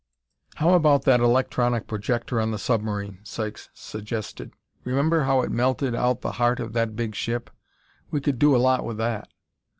"How about that electronic projector on the submarine?" Sykes suggested. "Remember how it melted out the heart of that big ship? We could do a lot with that."